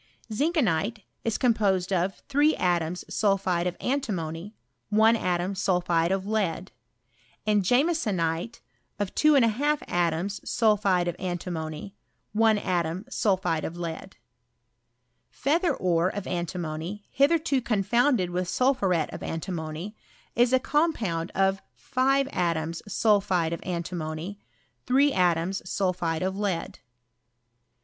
Ziiikcnite ie composed of 3 atoms sulphide of antimony 1 atom sulpliide of lead ; and jiunesonite of 24 atoms sulphide of antimony 1 atom sulphide of lead, l 'ealher ore of antimony, hitherto confounded with Bulphuret of antimony, is a compound of 5 atoms sulphide of antimony 3 atoms sulphide of lead.